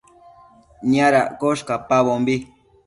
Niadaccosh cacpabombi